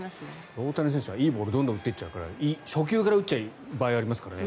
大谷選手はいいボールをどんどん打っていっちゃうから初球から打っちゃう場合がありますからね。